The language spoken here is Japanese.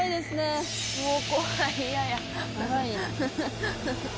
もう怖い、嫌や。